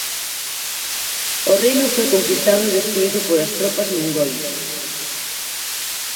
O reino foi conquistado e destruído polas tropas mongois.